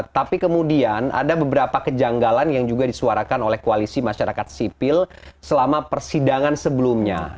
tapi kemudian ada beberapa kejanggalan yang juga disuarakan oleh koalisi masyarakat sipil selama persidangan sebelumnya